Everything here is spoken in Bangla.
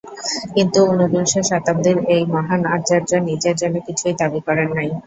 কিন্তু ঊনবিংশ শতাব্দীর এই মহান আচার্য নিজের জন্য কিছুই দাবী করেন নাই।